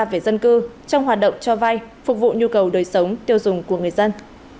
về dân cư trong hoạt động cho vay phục vụ nhu cầu đời sống tiêu dùng của người dân